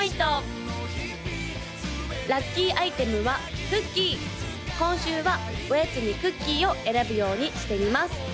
・ラッキーアイテムはクッキー今週はおやつにクッキーを選ぶようにしてみます